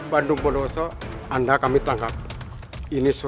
dia yang lapor semuanya sama polisi